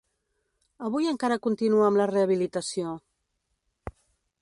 Avui encara continua amb la rehabilitació.